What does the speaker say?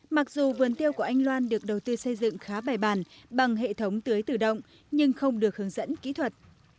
mặc dù vườn tiêu của anh loan được đầu tư xây dựng khá bài bàn bằng hệ thống tưới tự động nhưng không được hướng dẫn kỹ thuật